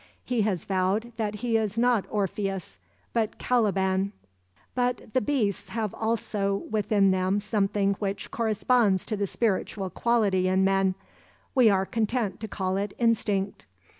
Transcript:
He has vowed that he is not Orpheus but Caliban. But the beasts also have within them something which corresponds to the spiritual quality in men—we are content to call it instinct.